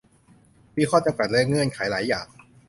มีข้อจำกัดและเงื่อนไขหลายอย่าง